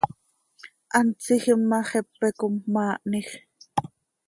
Hant tsiijim ma, xepe com maahnij.